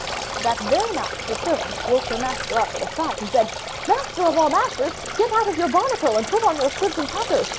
" That very night the servant woke her master up in a fright and said, "Master of all masters, get out of your barnacle and put on your squibs and crackers.